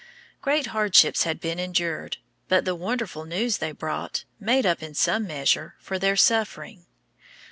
Great hardships had been endured, but the wonderful news they brought made up in some measure for their suffering.